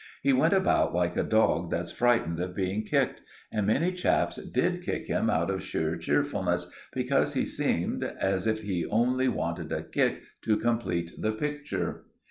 He went about like a dog that's frightened of being kicked; and many chaps did kick him, out of sheer cheerfulness, because he seemed as if he only wanted a kick to complete the picture.